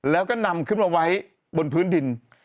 และก็นำให้บนพื้นดิน